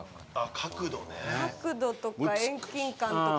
角度とか遠近感とか。